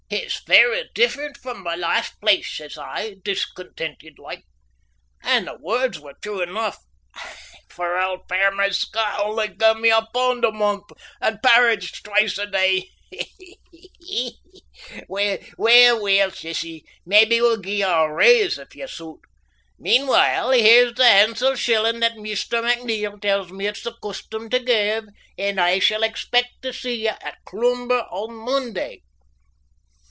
"It's vera different frae my last place," says I, discontented like. And the words were true enough, for auld Fairmer Scott only gave me a pund a month and parritch twice a day. "Weel, weel," says he, "maybe we'll gie ye a rise if ye suit. Meanwhile here's the han'sel shillin' that Maister McNeil tells me it's the custom tae give, and I shall expec' tae see ye at Cloomber on Monday."